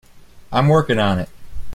I'm working on it.